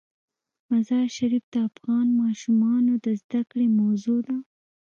مزارشریف د افغان ماشومانو د زده کړې موضوع ده.